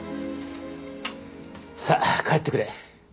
さあ帰ってくれ。